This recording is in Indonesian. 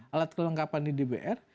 alat kelengkapan di dpr